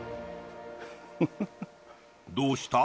どうした？